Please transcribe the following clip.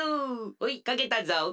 ほいかけたぞ。